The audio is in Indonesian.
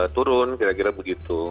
turun kira kira begitu